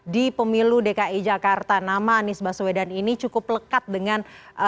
di pemilu dki jakarta nama anies baswedan ini cukup lekat dengan